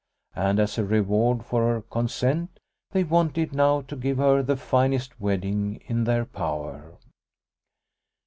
And as a reward for her consent they wanted now to give her the finest wedding in their power.